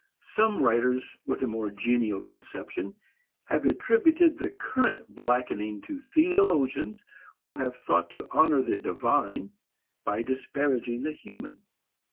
Some writers with a more genial conception have attributed the current blackening to theologians who have thought to honor the divine by disparaging the human.